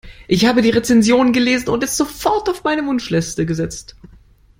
Ich hab die Rezension gelesen und es sofort auf meine Wunschliste gesetzt.